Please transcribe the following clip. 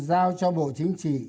giao cho bộ chính trị